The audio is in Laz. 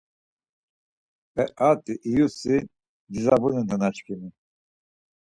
P̌eat̆i iyusi dizabunu nanaşǩimi.